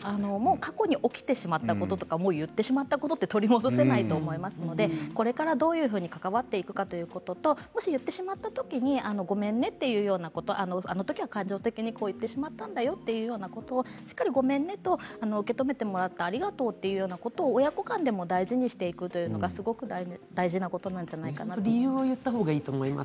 過去に起きてしまったこととか言ってしまったことは取り戻せないと思いますのでこれからどういうふうに関わっていくかということともし言ってしまった時にごめんねというようなことがあの時は感情的に言ってしまったんだよっていうのことをしっかりごめんねと受け止めてもらってありがとうということを親子間でも大事にしていくというのが、大事なことないじゃないかなと思います。